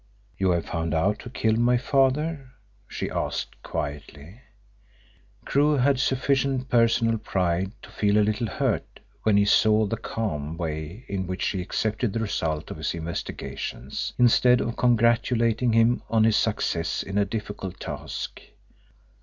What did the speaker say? "You have found out who killed my father?" she asked quietly. Crewe had sufficient personal pride to feel a little hurt when he saw the calm way in which she accepted the result of his investigations, instead of congratulating him on his success in a difficult task.